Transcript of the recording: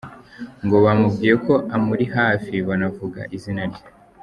Ngo bamubwiye ko amuri hafi banavuga izina rye.